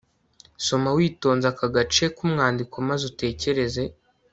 soma witonze aka gace k umwandiko maze utekereze